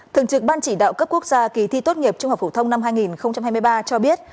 thường trực ban chỉ đạo cấp quốc gia kỳ thi tốt nghiệp trung học phổ thông năm hai nghìn hai mươi ba cho biết